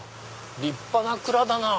立派な蔵だなぁ。